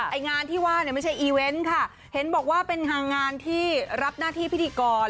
ไอ้งานที่ว่าเนี่ยไม่ใช่อีเวนต์ค่ะเห็นบอกว่าเป็นทางงานที่รับหน้าที่พิธีกร